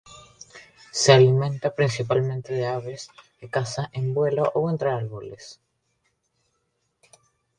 Se alimenta principalmente de aves, que caza en vuelo o entre los árboles.